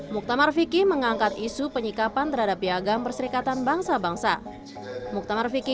muktamar vicky mengangkat isu penyikapan terhadap piagam perserikatan bangsa bangsa muktamar vicky